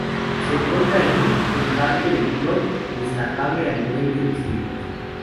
Se encuentra allí el parque del Clot, destacable a nivel de distrito.